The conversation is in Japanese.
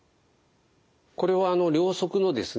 これは両足のですね